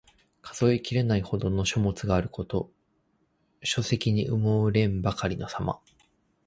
数えきれないほどの書物があること。書籍に埋もれんばかりのさま。